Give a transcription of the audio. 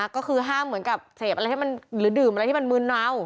ก็คือห้ามเหมือนกับเสพอะไรให้มันหรือดื่มอะไรที่มันมืนเมา